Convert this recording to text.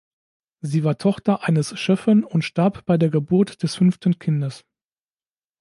Sie war Tochter eines Schöffen und starb bei der Geburt des fünften Kindes.